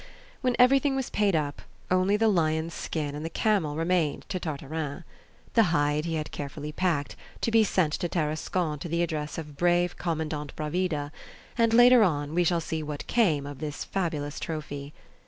When everything was paid up, only the lion's skin and the camel remained to Tartarin. The hide he had carefully packed, to be sent to Tarascon to the address of brave Commandant Bravida, and, later on, we shall see what came of this fabulous trophy.